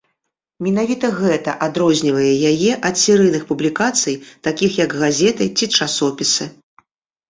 Менавіта гэта адрознівае яе ад серыйных публікацый, такіх як газеты ці часопісы.